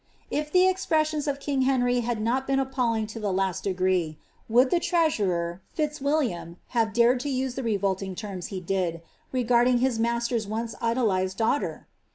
It the ex pressions of king Henry had not been appalling to ihe la i liegree, would the treasuTer, Fiuwilliani, have dared lo use the revolting lirrms he did, regarding his master's once idolised daughler?